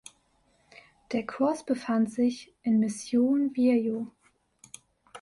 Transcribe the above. Der Kurs befand sich in Mission Viejo.